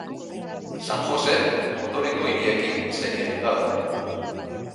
San Jose ondorengo hiriekin senidetuta dago.